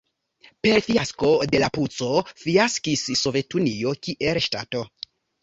Per fiasko de la puĉo fiaskis Sovetunio kiel ŝtato.